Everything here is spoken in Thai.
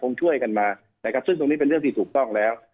ช่วยกันมานะครับซึ่งตรงนี้เป็นเรื่องที่ถูกต้องแล้ว